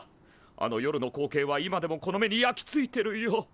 あの夜の光景は今でもこの目に焼き付いてるよ。